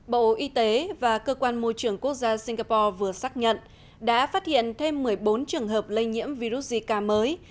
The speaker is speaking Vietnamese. bộ y tế và cơ quan môi trường quốc gia singapore vừa xác nhận đã phát hiện thêm một mươi bốn trường hợp lây nhiễm virus zika mới